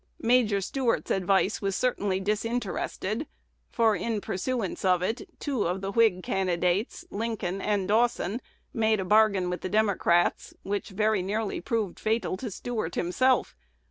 Major Stuart's advice was certainly disinterested; for, in pursuance of it, two of the Whig candidates, Lincoln and Dawson, made a bargain with the Democrats which very nearly proved fatal to Stuart himself.